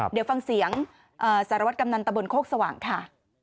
เดี๋ยวฟังเสียงสารวัตรกำนันตะบนโคกสว่างค่ะ